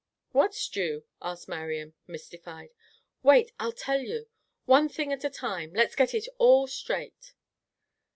"What's due?" asked Marian, mystified. "Wait! I'll tell you. One thing at a time. Let's get it all straight."